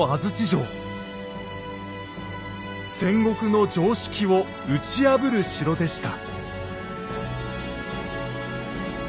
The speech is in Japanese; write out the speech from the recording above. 戦国の常識を打ち破る城でした。